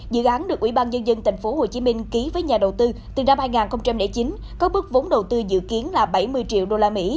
dự án được ubnd tp hcm ký với nhà đầu tư từ năm hai nghìn chín có bước vốn đầu tư dự kiến là bảy mươi triệu usd